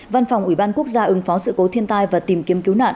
văn phòng ủy ban quốc gia ứng phó sự cố thiên tai và tìm kiếm cứu nạn